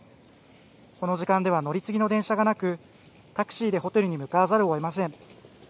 この時間では乗り継ぎの電車がなくタクシーでホテルに向かわざるをえません。